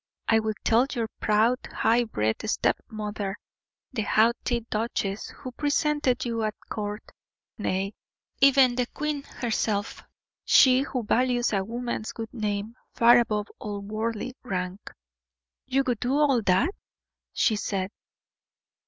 I will tell your proud, high bred step mother the haughty duchess who presented you at court nay, even the queen herself, she who values a woman's good name far above all worldly rank." "You would do all that?" she said.